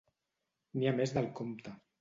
N'hi ha més del compte.